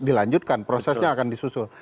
dilanjutkan prosesnya akan disusul